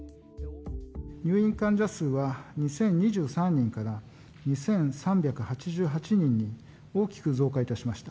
入院患者数は２０２３人から２３８８人に大きく増加いたしました。